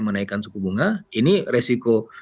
menaikkan suku bunga ini resiko